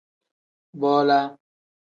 Bola.